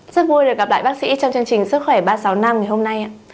rất vui được gặp lại bác sĩ trong chương trình sức khỏe ba trăm sáu mươi năm ngày hôm nay